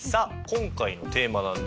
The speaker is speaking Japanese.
今回のテーマなんですが。